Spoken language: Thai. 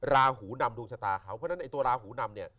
ราหูนำดวงชะตาเขาเพราะนั้นตัวราหูนำ